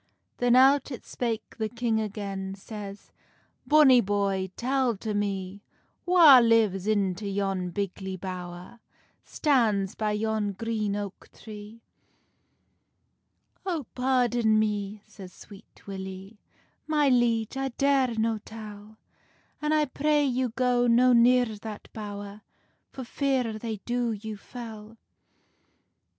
Then out it spake the king again, Says, "Bonny boy, tell to me, Wha lives into yon bigly bowr, Stands by yon green oak tree?" "Oh, pardon me," says Sweet Willie, "My liege, I dare no tell; An I pray you go no near that bowr, For fear they do you fell."